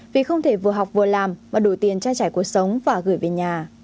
vì không thể vừa học vừa làm mà đủ tiền trang trải cuộc sống và gửi về nhà